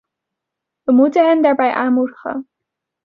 We moeten hen daarbij aanmoedigen.